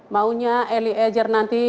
maunya elieger nanti diperoleh